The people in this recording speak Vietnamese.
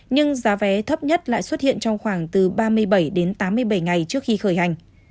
nhưng giá vé thấp nhất lại xuất hiện trong khoảng từ ba mươi bảy đến tám mươi bảy ngày trước khi khởi hành